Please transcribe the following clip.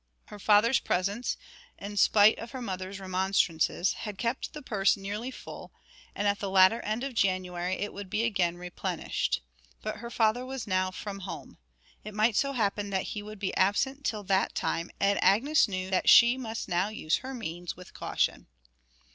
Her father's presents, in spite of her mother's remonstrances, had kept the purse nearly full, and at the latter end of January it would be again replenished. But her father was now from home. It might so happen that he would be absent till that time, and Agnes knew that she must now use her means with caution.